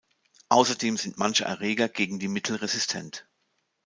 Außerdem sind manche Erreger gegen die Mittel resistent.